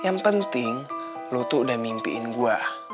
yang penting lo tuh udah mimpiin gue